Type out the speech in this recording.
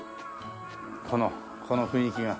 このこの雰囲気が。